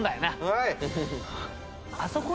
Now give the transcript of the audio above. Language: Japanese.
はい！